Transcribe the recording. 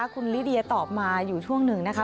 คุณลิเดียตอบมาอยู่ช่วงหนึ่งนะคะ